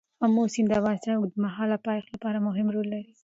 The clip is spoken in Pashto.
آمو سیند د افغانستان د اوږدمهاله پایښت لپاره مهم رول لري.